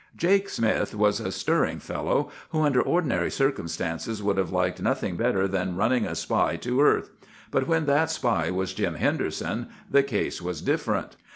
"Jake Smith was a stirring fellow, who under ordinary circumstances would have liked nothing better than running a spy to earth; but when that spy was Jim Henderson, the case was different.